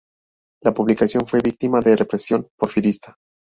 La publicación fue víctima de la represión porfirista.